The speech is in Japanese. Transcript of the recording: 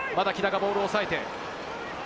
まだ木田がボールをおさえて。